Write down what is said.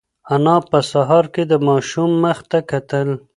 انا په سهار کې د ماشوم مخ ته کتل.